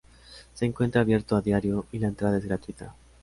Se encuentra abierto a diario y la entrada es gratuita..